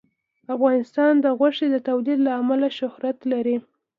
افغانستان د غوښې د تولید له امله شهرت لري.